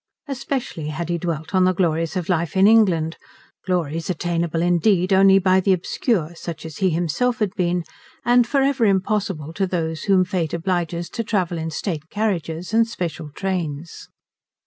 Especially had he dwelt on the glories of life in England, glories attainable indeed only by the obscure such as he himself had been, and for ever impossible to those whom Fate obliges to travel in state carriages and special trains.